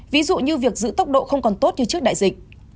ví dụ như việc giữ tốc độ không còn tốt như trước đại dịch